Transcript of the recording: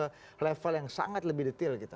atau ada level yang sangat lebih detail gitu